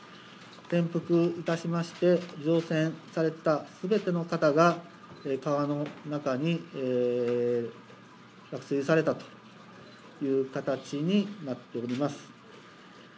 転覆いたしまして、乗船されたすべての方が川の中に落水されたという形になっております。